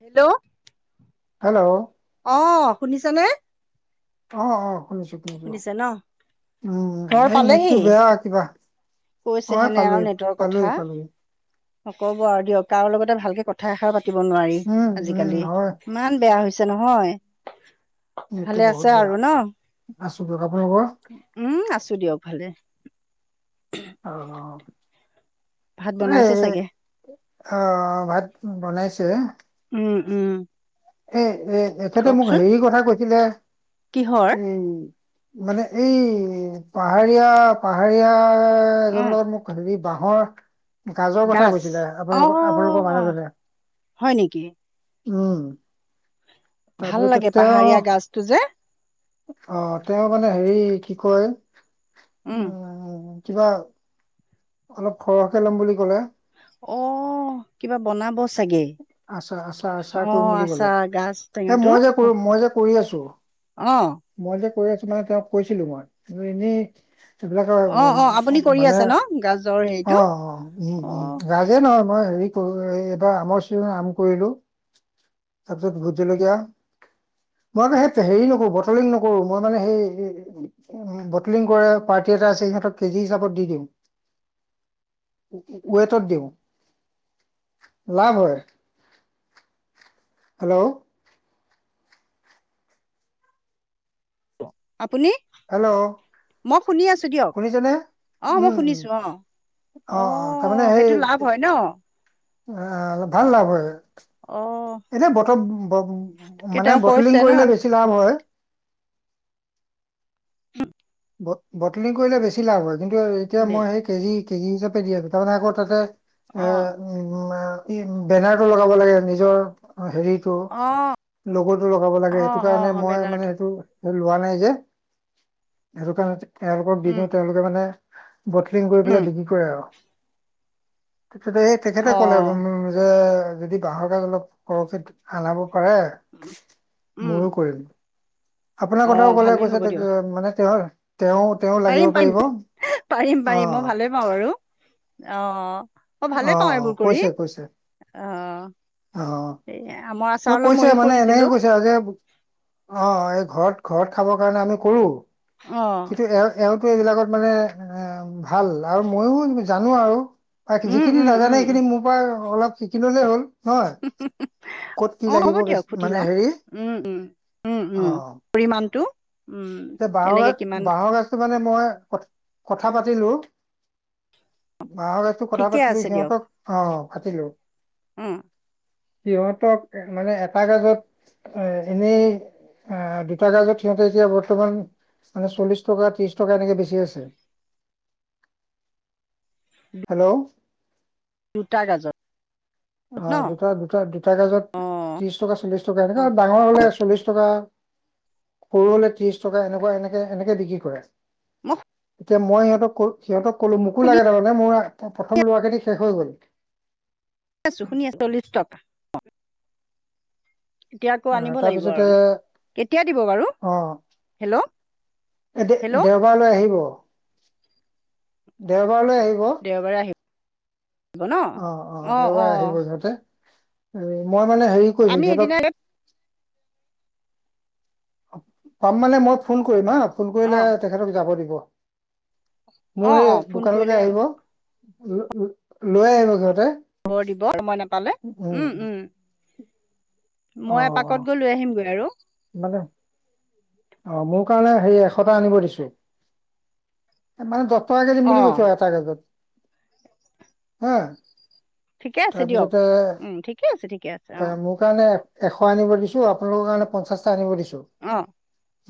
Hello? Hello? অ শুনিছা নে? অ অ, শুনিছো শুনিছো, শুনিছে ন? উম ঘৰ এই নেটটো পালেহি? বেয়া কিবা অ কৈছে হেনে আৰু পালোহি, নেটৰ কথা পালোহি - পালোহি। নকব আৰু দিয়ক, কাৰো লগতে ভালকে কথা এষাৰ পাতিব নোৱাৰি উম উম আজিকালি। হয় ইমান বেয়া হৈছে নহয়। এইটো ভালে বহুত আছে বেয়া, আৰু ন? আছো দক আপোনালোকৰ? উম, আছো দিয়ক ভালে। অ। ভাত এই বনাইছে চাগে? অহ, ভাত বনাইছে। উম উম। এ এ এখেতে মোক কওকচোন হেৰি কথা কৈছিলে কিহৰ? এই মানে এই পাহাৰীয়া - পাহাৰীয়া উম এজনৰ লগত মোক হেৰি বাঁহৰ গাজৰ কথা গাজ কৈছিলে, অ আপোনালোকৰ আপোনালোকৰ মানুহজনে হয় নেকি? উম। ভাল তাৰপিছতে লাগে তেওঁ পাহাৰীয়া গাজটো যে। অ তেওঁ মানে হেৰি কি কয়, উম কিবা অলপ সৰহকে ল'ম বুলি ক'লে। অহ, কিবা বনাব চাগে আচা আচা আচাৰ অ কৰিম বুলি কলে, আচাৰ গাজ এ টেঙাটো মই যে কৰি মই যে কৰি আছো। অ। মই যে কৰি আছো মানে তেওঁক কৈছিলো মই তুমি এনেই সেইবিলাকৰ অ অ আপুনি কৰি মানে আছে ন গাজৰ হেৰিটো অ অ। উম অ উম, ৰাজে নহয় মই হেৰি কৰো এ এইবাৰ আমৰ চিজন আম কৰিলো। তাৰপিছত ভূতজলকীয়া মই মানে সেইত হেৰি নকৰো বটলিং নকৰো, মই মানে সেই উম বটলিং কৰে, পাৰ্টি এটা আছে সিহঁতক কেজি হিচাপত দি দিওঁ। উম উম ৱেটত দিওঁ, লাভ হয়। হেল্ল'? আপুনি? হেল্ল' মই শুনি আছো দিয়ক শুনিছেনে? অ মই উম উম। শুনিছো অ অ অ তাৰমানে সেইটো সেই লাভ হয় ন অলপ ভাল লাভ হয়। অহ। এনে বটত ব মানে কৈছে বটলিং ন কৰিলে বেছি লাভ হয়। হু ব বটলিং কৰিলে বেছি লাভ হয় কিন্তু এতিয়া মই সেই কেজি - কেজি হিচাপে দি আছোঁ তাৰমানে আকৌ তাতে অ এ উম ই বেনাৰটো লগাব লাগে নিজৰ। অঁ হেৰিটো অ লগৰটো লগাব লাগে অ সেইটো অ কাৰণে অ মই মানে বেনাৰটো এইটো- লোৱা নাই যে। সেইটো কাৰণে তেওঁলোকক দি উম দিওঁ তেওঁলোকে মানে- বটলিং কৰি পেলাই উম বিক্ৰী কৰে আৰু তাপিছতে এই- অ তেখেতে ক'লে যে যদি বাঁহৰ গাজ অলপ পতকৈ হলাব পাৰে- উম ময়ো কৰিম। আপোনাৰ অ কথাও ক'লে ভালেই হ'ব কৈছে দিয়ক মানে কি হল তেওঁ- তেওঁ পাৰিম লাগিব পাৰিব। অঁ' ন বাৰু অঁ' অঁ অঁ কৈছে কৈছে। অ অঁ' এই আমৰ ত আচাৰ অলপ কৈছে ময়ো মানে এনেকে কৰিছিলো কৈছে আ যে- অঁ অঁ এই ঘৰত ঘৰত খাবৰ কাৰণে আমি কৰো। অঁ' কিন্তু, সেয়াও সেয়াওটো এইবিলাকত মানে ভাল আৰু ময়ো জানো আৰু। বাকি উম যিখিনি উম নাজানে উম সেইখিনি মোৰ পৰা অলপ শিকি ললেই হ'ল। নহয় ক'ত কি অঁ লাগিব হ'ব বেছি দিয়ক সুধি মানে লম, হেৰি উম উম উম অ উম। পৰিমাণটো। উম যে বাঁহ তেনেকে গাছ কিমান বাঁহ গাছ। ত মানে মই কথ কথা পাতিলো। তো কথা ঠিকে পাতিলো আছে দিয়ক সিহঁতক অঁ পাতিলো। উম' সিহঁতক মানে এটা গাজত- এ এনেই অঁ দুটা গাজত সিহঁতে এতিয়া বত- বৰ্তমান মানে চল্লিশ টকা ত্ৰিশ টকা এনেকে বেছি আছে। হেল্লৌ' দুটা গাজত। ন অঁ দুটা দুটা দুটা গাজত অ ত্ৰিশ টকা চল্লিশ টকা অ এনেকা ডাঙৰ হলে চল্লিশ টকা। সৰু হলে ত্ৰিশ টকা এনেকুৱা এনেকে এনেকে বিক্ৰী কৰে। মোক- এতিয়া মই সিহঁতক কো সিহঁতক ক'লো মোকো শুনি লাগে মানে মোৰ প্ৰথম লোৱাখিনি শেষ হৈ গ'ল। শুনি আছো শুনি আছো‌, লি ষ্টপ। এতিয়া আকৌ আহ আনিব লাগিব তাৰপিছতে আৰু, কেতিয়া দিব বাৰু? অ হেল্লৌ' এ দে দেওবাৰলৈ আহিব দেওবাৰলৈ আহিব। দেওঁবাৰ ৰে আহিম। অ অ দেওবাৰে আহিব সিহঁতে, মই মানে হেৰি- কৰিছো আমি এদিন সিহঁতক আগে- পাম মানে মই ফোন কৰিম হা, ফোন কৰিলে অ তেখেতক যাব দিব। অ মোৰ সেই অ ফোন কৰিলে দোকানলৈকে আহিব লৈ লৈ আহিব সিহঁতে। খবৰ দিব সময় নাপালে, উম উম। অ মই অ এপাকত গৈ লৈ আহিমগৈ আৰু। মানে অঁ মোৰ কাৰণে হে এশটা আনিব দিচে। মানে দহ টককে দিম অ বুলি কৈছে এটা ৰেটট হাঁ। ঠিকে আছে দিয়ক, উম ঠিকে আছে ঠিকে আছে এ অঁ'। মোৰ কাৰণে এশ আনিব দিছো, আপোনালোকৰ কাৰণে পঞ্চাশটা আনিব দিছো। অ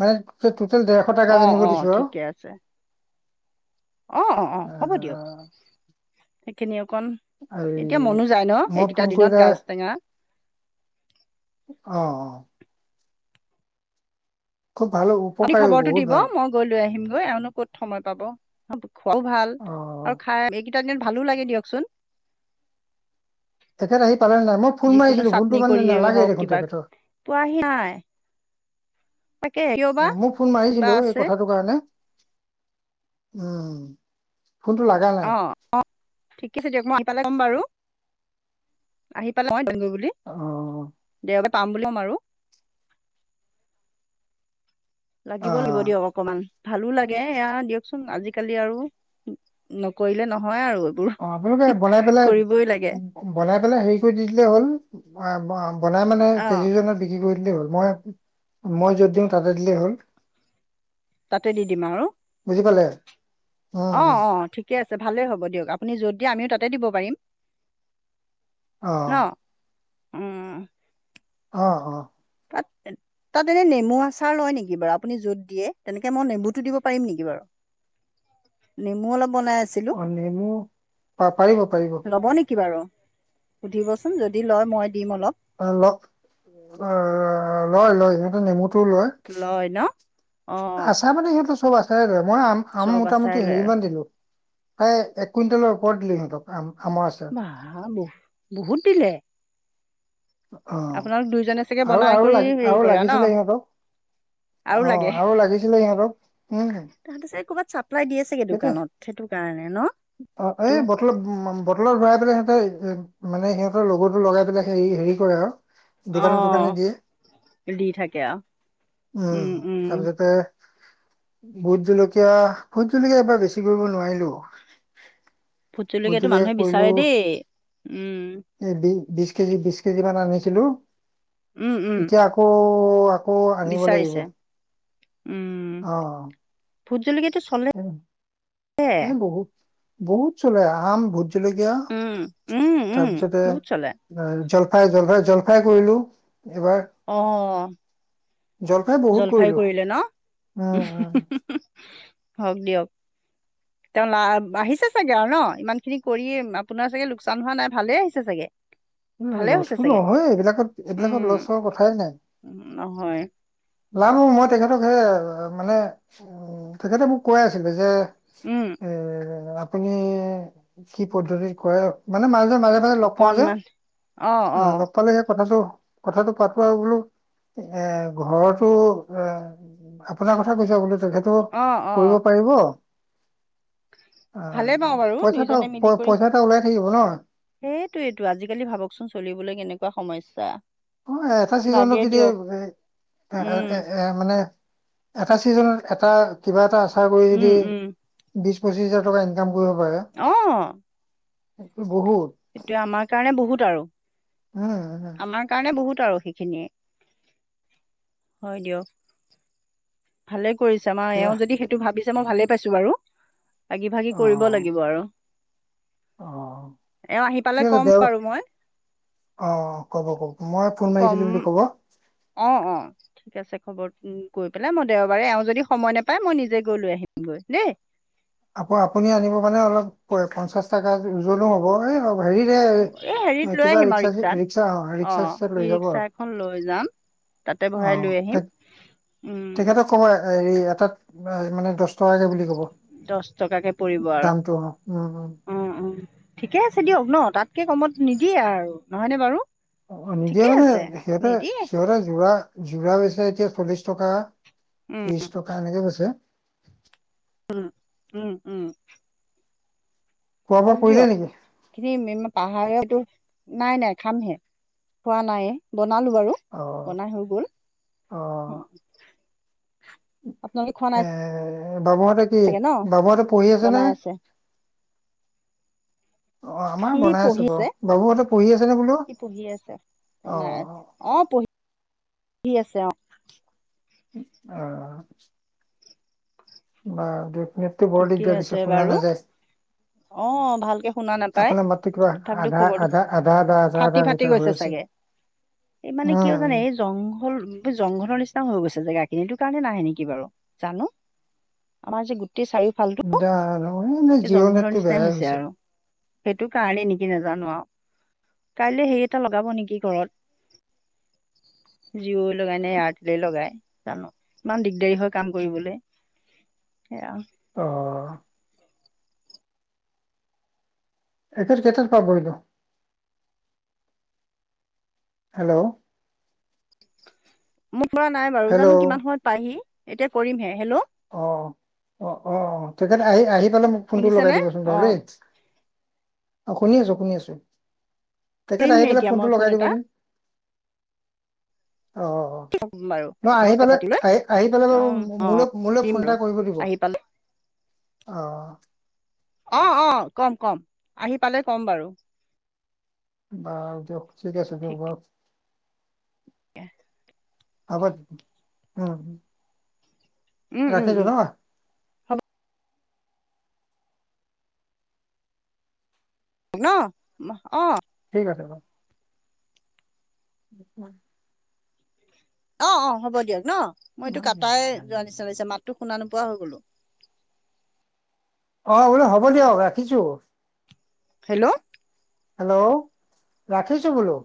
মানে টোটেল ডেৰশ তা গাজ অঁ আনিব অঁ দিছো আৰু ঠিকে আছে। অ হ'ব দিয়ক আহ, সেইখিনি অকণ এই এতিয়া মনো যায় ন এই মই দুটা ফোন দিনত কৰিলে গাছ টেঙা। অহ অ খুব ভাল হ'ব। আপুনি খবৰটো দিব মোক গৈ লৈ আহিমগৈ আৰুনো ক'ত সময় পাব খোৱাও ভাল অ আৰু খাই [unintelligible] ভালো লাগে দিয়কচোন। তেখেত আহি পালে নাই মই ফোন যিকোনো মাৰিছিলো চাটনি ফোনটো মানে কৰিয়ে নালাগে হওক দেখোন কিবা তেখেতৰ। পোৱাহি নাই। তাকে অ বা মোক ফোন কিবা মাৰিছিলো এই আছে কথাটোৰ কাৰণে। উম ফোনটো লগা নাই। অ ঠিক আছে দিয়ক মই আহি পালে কম বাৰু আহি পালে [inaudible] বুলি অ দেওবাৰে পাম বুলি ক'ম আৰু অ লাগিব লাগিব দিয়ক। অকমান ভালো লাগে এয়া দিয়কচোন আজিকালি আৰু নকৰিলে নহয় আৰু এইবোৰ অ আপোনালোকে বনাই পেলাই। কৰিবই লাগে বনাই পেলাই হেৰি কৰি দি দিলে হ'ল বনাই মানে অঁ [inaudible] বিক্ৰী কৰি দিলে হ'ল মই মই য'ত দিওঁ তাতে দিলেই হ'ল। তাতে দি দিম আৰু বুজি পালে। উম অ উম অ ঠিকে আছে ভালেই হ'ব দিয়ক আপুনি য'ত দিয়ে আমিও তাতে দিব পাৰিম। ন অ উম, অ অ পন [unintelligible] তাত এনে নেমু আচাৰ লয় নেকি বাৰু আপুনি য'ত দিয়ে তেনেকে মই নেমুতো দিব পাৰিম নেকি বাৰু। নেমু অলপ বনাই আছিলো। অ নেমু পা- পাৰিব পাৰিব ল'ব নেকি বাৰু? সুধিবচোন যদি লয় মই দিম অলপ। ল অ লয় লয় সিহঁতে নেমুটোও লয়। লয় ন অ আছাৰ মানে সেইটো সব আছে। মই আম আম চব মোটামুটি আচাৰে লয় হেৰি আৰু মান দিলোঁ। প্ৰায় এক কুইণ্টেলৰ ওপৰত দিলোঁ সিহঁতক আম আমৰ আ আ বহুত বহুত দিলে। অ আপোনালোক দুইজনে চাগে আৰু বনাই আৰু কৰি লাগ হেৰি আৰু কৰা ন লাগিছিলে সিহঁতক। আৰু অ লাগে আৰু লাগিছিলে সিহঁতক। উম তাহাতি ছাগে কৰ'বাত চাপ্লাই দি আছে সেইটোৱে দোকানত সেইটো কাৰণে ন? সেইটো উ বটলত ভৰাই পেলাই সিহঁতে মানে সিহঁতৰ লগৰতটো লগাই পেলাই হে হেৰি কৰে আৰু অ দোকানে দোকানে দিয়ে। দি থাকে উম তাৰপিছতে ভোট জলকীয়া ভোট জলকীয়া এবাৰ বেছি কৰিব নোৱাৰিলোঁ। ভুট জলকীয়াতো মানুহে বিচাৰে দেই। উম এই বি বিশ কেজি বিশ কেজি মান আনিছিলোঁ। উম, উম, এতিয়া আকৌ আনিব লাগিব। বিচাৰিছে উম অ ভূটজলকীয়াটো চলে এ এ বহুত বহুত চলে আম ভূত জলকীয়া উম, উম, উম, তাৰপিছতে বহুত চলে। জলফাই জলফাই জলফাই কৰিলোঁ এবাৰ অ বহুত জলফাই কৰিলো কৰিলে ন উম হওঁক দিয়ক [inaudible] তেওঁ লা আহিছে চাগে আৰু ন ইমানখিনি কৰি আপোনাৰ চাগে লোকচান হোৱা নাই ভালেই আহিছে চাগে উ ভালে হৈছে লছবো চাগে? নহয় এইবিলাকত এইবিলাকত লছ উম, হোৱা কথাই নাই উম, নহয়। লভ হব মই তেখেতক সে মানে উ তেখেতে মোক কৈয়ে আছিলে যে উম এ আপুনি কি পদ্ধতিত কৰে মানে মানু্হজন মাজে মাজে মাজে লগ পাওঁ যে অকনমান অ লগ পালেহে কথাটো কথাটো পাতো আৰু বোলো এ ঘৰতো নোৱাই আপোনাৰ কথা কৈছ বোলো তেখেতো অ', কৰিব অ', পাৰিব অ ভালে পাওঁ বাৰু পইচাটা দুইজনে প পইচা এটা ওলাই থাকিব ন সেইটোয়েটো আজিকালি ভাবকচোন চলিবলৈ কেনেকুৱা সমস্যা অ এটা চিজনত লাগে যদি এ দিয়ক এ উম এ এ মানে এটা চিজনত এটা কিবা এটা আচাৰ কৰি উম যদি উম বিশ পঁচিশ হাজাৰ টকা ইনকাম কৰিব পাৰে অ সেটো বহুত এতিয়া আমাৰ কাৰণে বহুত আৰু উম হম আমাৰ কাৰণে বহুত আৰু সেইখিনিয়ে হয় দিয়ক ভালে কৰিছে আমাৰ এতিয়া এওঁ যদি সেইটো ভাবিছে মই ভালে পাইছো বাৰু আগি ভাগি অ কৰিব লাগিব আৰু অ এওঁ আহি পালে ঠিক আছে ক'ম দে বাৰু মই অ অ ক'ব কব মই ফোন ক'ম মাৰিছিলো বুলি কব অ অ ঠিক আছে খবৰ গৈ পেলাই মই দেওবাৰে এওঁ যদি সময় নাপাই মই নিজে গৈ লৈ আহিমগৈ দেই আকৌ আপুনি আনিব মানে অলপ পঞ্চাশ টকা ওজ্বলো হ'ব এই এই হেৰিত পাৰিৰে লৈ কিবা আহিম আৰু ৰিক্সা ৰিক্সাত ৰিক্সা অ ৰিক্সা চিক্সা ই লৈ যাব ৰিক্সা আৰু এখন লৈ যাম তাতে অ বৰাই লৈ তে আহিম উম তেখেতক কব হেৰি এটাত মানে দহ টকাকে বুলি কব। দহ টকাকে পৰিব আৰু। দামটো অ উম উম অ অ ঠিকে আছে দিয়ক ন তাতকে কমত নিদিয়ে আৰু নহয়নে বাৰু? অ নিদিয়ে ঠিকে মানে আছে সিহঁতে নিদিয়ে সিহঁতে যোৰা যোৰা লৈছে এতিয়া চল্লিশ টকা, উম ত্ৰিশ টকা এনেকে গৈছে। উম উম উম। খোৱা-বোৱা কৰিলে নেকি? খিনি পাহাৰতো নাই নাই খামহে খোৱা নাই বনালো বাৰু। অ বনাই হৈ গল, অ উম। এ বাবুহঁতে। কি চাগে ন বাবুহতে পঢ়ি আছে নে? অ আমাৰ সি বনাই আছে বাৰু পঢ়িছে বাবুহঁতে পঢ়ি আছে নে বোলো সি পঢ়ি আছে। অ অঁ পঢ়ি আছে অঁ। অঁ অঁ। বা নেটৱৰ্কটো বৰ ঠিকে দিগদাৰ আছে দিছে শুনা বাৰু নাযায়। অ ভালকে শুনা নাপায় আপোনাৰ মাতটো কিবা তথাপিতো আধা, খবৰটো আধা, আধা, আধা, আধা, ফাটি আধা ফাটি মিতাৰ হৈ গৈছে আছে। [inaudible] চাগে এই মানে কিয় জানে এই উম জংঘল জংঘলৰ নিচিনা হৈ গৈছে জেগাখিনি এইটো কাৰণে নাহে নেকি বাৰু। জানো। আমাৰ যে গোটেই চাৰিওফালটো, জানো এই জিঅ' জংঘলৰ নেটটো নিচিনাই বেয়াই হৈছে আৰু। সেইটো কাৰণে নেকি নাজানো আৰু। কাইলে হেৰি এটা লগাব নেকি ঘৰত। জিঅ' লগাই নে এয়াৰটেলে লগাই জানো ইমান দিগদাৰী হয় কাম কৰিবলৈ। সেয়া। অহ। এখেত কেইটাত পাবহি নো? হেল্ল'। ফোন কৰা নাই বাৰু, জানো হেল্ল' কিমান সময়ত পাইহি এতিয়া কৰিমহে। হেল্ল'! অ, অ, অ, তেখেত আহি আহি পালে মোক ফোনটো লগাই শুনিছেনে দিবচোন অ বাৰু দেই। অ শুনি আছো, শুনি আছো। তেখেত আহি কৰিমহে পেলাই এতিয়া ফোনটো মই ফোন লগাই এটা দিবচোন। অ বাৰু ন আপোনাৰ আহি লগত কথা পালে, পাতি লৈ আহি আহি পেলাই অ বাৰু মোলৈ মোলৈ দিম ফোন এটা বাৰু কৰিব দিব আহি পালে অ অ অ কম কম আহি পালে কম বাৰু। বাৰু দিয়ক ঠিক আছে বাৰু দিয়ক। হব উম। উম উম ৰাখিছো উম ন। ন অ। ঠিক আছে বাৰু। [inaudible] অ অ হ'ব দিয়ক ন। মই এইটো কাটাই যোৱা নিচনা লাগিছে মাতটো শুনা নোপোৱা হৈ গ'লো। অ বোলে হ'ব দিয়ক ৰাখিছো। হেল্ল'। হেল্ল'! ৰাখিছো বোলো।